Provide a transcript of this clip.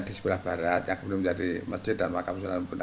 di sebelah barat yang belum jadi masjid dan makam